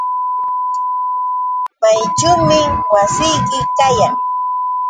¿Mayćhuumi wasiyki kayan?